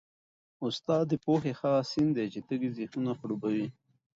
استاد د پوهې هغه سیند دی چي تږي ذهنونه خړوبوي.